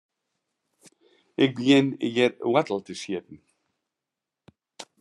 Ik begjin hjir woartel te sjitten.